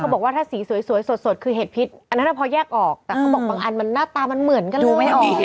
แล้วก็ไปเอาเห็ดเบาระวังนะ